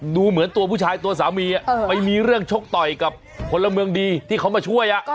ดูเหมือนตัวผู้ชายตัวสามีไปมีเรื่องชกต่อยกับพลเมืองดีที่เขามาช่วย